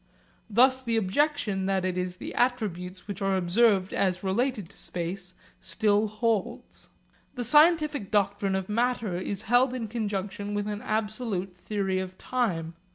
Thus the objection that it is the attributes which are observed as related to space, still holds. The scientific doctrine of matter is held in conjunction with an absolute theory of time.